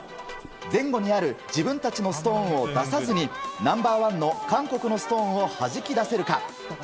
前後にある自分たちのストーンを出さずにナンバー１の韓国のストーンをはじき出せるか。